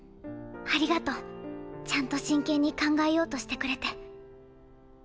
ありがとうちゃんと真剣に考えようとしてくれて。